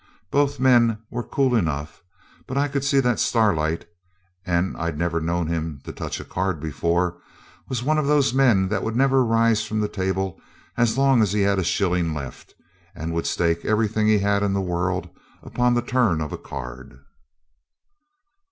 Both men were cool enough, but I could see that Starlight (and I'd never known him to touch a card before) was one of those men that would never rise from the table as long as he had a shilling left, and would stake everything he had in the world upon the turn of a card.